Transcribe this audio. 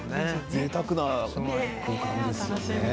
ぜいたくな空間ですね。